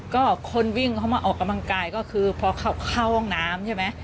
ก็คนวิ่งเข้ามาออกกำลังกายก็คือพอเข้าห้องน้ำใช่ไหม